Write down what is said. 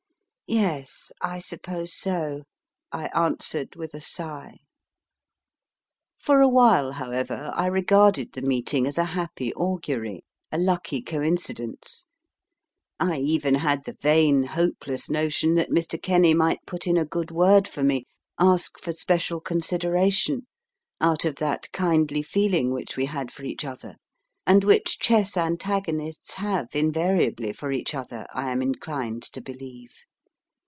Ye es, I suppose so, I answered, with a sigh. For a while, however, I regarded the meeting as a happy augury a lucky coincidence. I even had the vain, hopeless notion that Mr. Kenny might put in a good word for me, ask for special considera tion, out of that kindly feeling which we had for each other, and which chess antagonists have invariably for each other, 1 am inclined to believe.